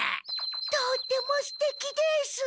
とってもすてきです！